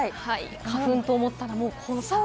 花粉と思ったら黄砂。